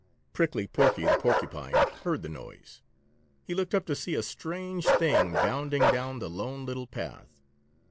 Prickly Porky the Porcupine heard the noise. He looked up to see a strange thing bounding down the Lone Little Path.